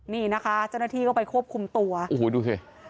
นี่นะคะเจ้าหน้าที่ก็ไปควบคุมตัวโอ้โหดูสิ